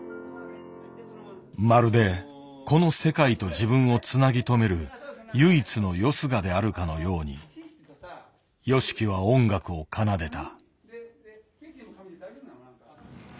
まるでこの世界と自分をつなぎ留める唯一のよすがであるかのようにＹＯＳＨＩＫＩは音楽を奏でた。